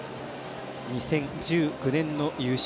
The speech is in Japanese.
２０１９年の優勝